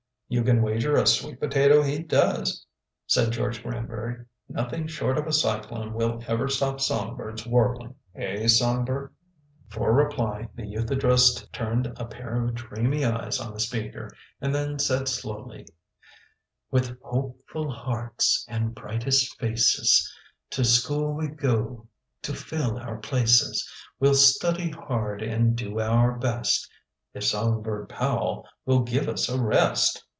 "You can wager a sweet potato he does," said George Granbury. "Nothing short of a cyclone will ever stop Songbird's warbling, eh, Songbird?" For reply the youth addressed turned a pair of dreamy eyes on the speaker, and then said slowly: "With hopeful hearts And brightest faces, To school we go To fill our places. We'll study hard, And do our best " "If Songbird Powell Will give us a rest!"